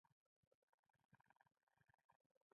کشمش د انګورو څخه جوړیږي